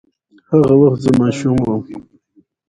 په افغانستان کې بزګان د خلکو د اعتقاداتو سره تړاو لري.